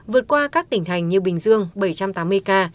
vượt qua các tỉnh thành như bình dương bảy trăm tám mươi ca